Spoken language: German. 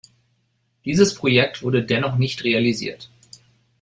Dieses Projekt wurde dennoch nicht realisiert.